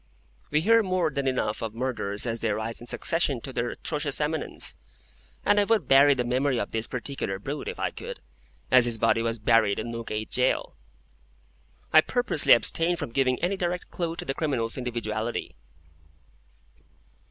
We hear more than enough of murderers as they rise in succession to their atrocious eminence, and I would bury the memory of this particular brute, if I could, as his body was buried, in Newgate Jail. I purposely abstain from giving any direct clue to the criminal's individuality.